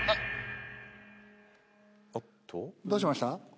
どうしました？